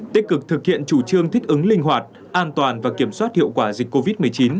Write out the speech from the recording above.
tích cực thực hiện chủ trương thích ứng linh hoạt an toàn và kiểm soát hiệu quả dịch covid một mươi chín